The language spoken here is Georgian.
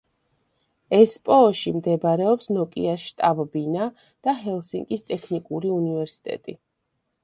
ესპოოში მდებარეობს ნოკიას შტაბ-ბინა და ჰელსინკის ტექნიკური უნივერსიტეტი.